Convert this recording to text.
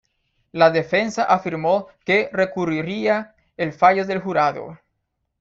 La defensa afirmó que recurriría el fallo del jurado.